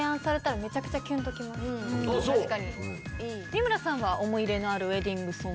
三村さんは思い入れのあるウエディングソング。